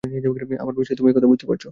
আমার বিশ্বাস তুমি একথা বুঝতে পারছ।